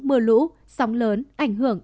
mưa lũ sóng lớn ảnh hưởng